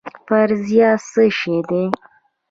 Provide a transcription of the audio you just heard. فرضیه څه شی دی؟